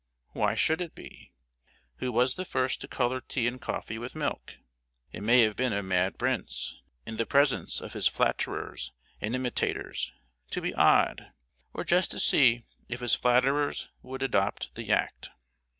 Why should it be? Who was the first to color tea and coffee with milk? It may have been a mad prince, in the presence of his flatterers and imitators, to be odd; or just to see if his flatterers would adopt the act.